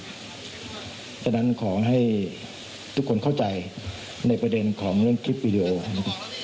เพราะฉะนั้นขอให้ทุกคนเข้าใจในประเด็นของเรื่องคลิปวีดีโอนะครับ